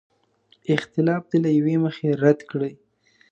اختلاف دې له یوې مخې رد کړي.